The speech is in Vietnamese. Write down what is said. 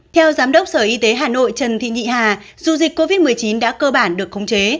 theo giám đốc sở y tế hà nội trần thị nhị hà dù dịch covid một mươi chín đã cơ bản được khống chế